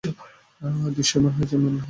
দৃশ্যায়ন হয়েছে ম্যানহাটনে।